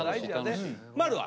丸は？